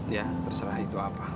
ya terserah itu apa